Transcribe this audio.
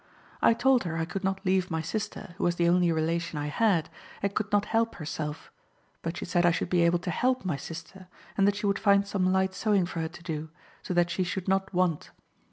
I told her I could not leave my sister, who was the only relation I had, and could not help herself; but she said I should be able to help my sister, and that she would find some light sewing for her to do, so that she should not want.